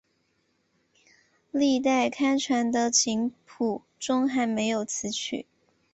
历代刊传的琴谱中还没有此曲。